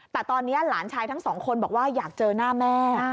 แต่ตอนนี้หลานชายทั้งสองคนบอกว่าอยากเจอหน้าแม่